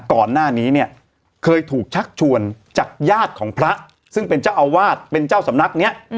ก่อนหน้านี้เนี่ยเคยถูกชักชวนจากญาติของพระซึ่งเป็นเจ้าอาวาสเป็นเจ้าสำนักนี้